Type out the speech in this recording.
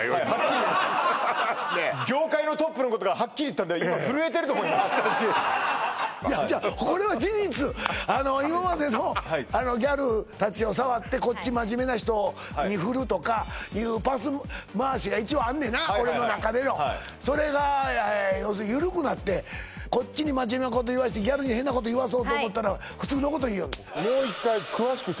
業界のトップのことがはっきり言ったんで今違うこれは事実今までのギャルたちを触ってこっち真面目な人にふるとかいうパス回しが一応あんねんな俺の中でのそれがはいはいはいはい要するにゆるくなってこっちに真面目なこと言わしてギャルに変なこと言わそうと思ったら普通のこと言いよるもん